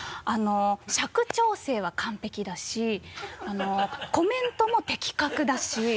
尺調整は完璧だしコメントも的確だし。